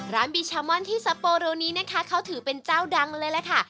ร้านบิชม้อนที่ซัพโปโรนี้นะคะเขาถือเป็นเจ้าดังเลยละค่ะ